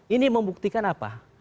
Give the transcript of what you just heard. ini membuktikan apa